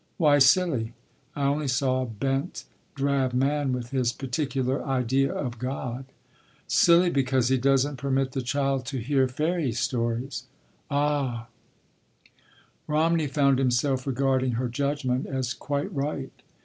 "Why silly? I only saw a bent drab man with his particular idea of God—" "Silly because he doesn’t permit the child to hear fairy stories—" "Ah—" Romney found himself regarding her judgment as quite right.